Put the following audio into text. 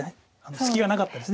隙がなかったです。